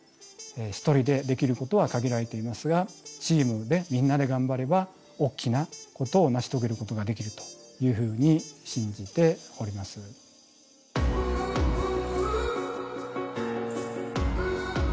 一人でできることは限られていますがチームでみんなで頑張れば大きなことを成し遂げることができるというふうに信じております。